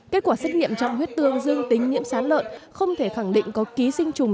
kết quả xét nghiệm trong huyết tương dương tính nhiễm sán lợn không thể khẳng định có ký sinh trùng